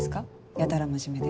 やたら真面目で。